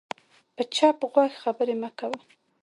په چپ غوږ خبرې مه کوه